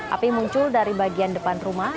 api muncul dari bagian depan rumah